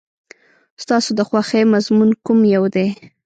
ستاسو د خوښې مضمون کوم یو دی؟